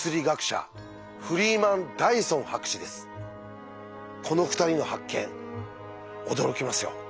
この２人の発見驚きますよ。